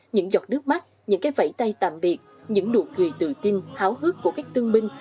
những giọt nước mắt những cái vẫy tay tạm biệt những nụ cười tự tin háo hức của các tương binh